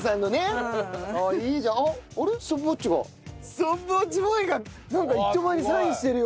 ストップウォッチボーイがなんか一丁前にサインしてるよ